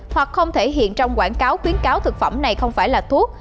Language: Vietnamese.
hoặc không thể hiện trong quảng cáo khuyến cáo thực phẩm này không phải là thuốc